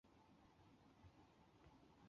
千田是也是日本资深演员。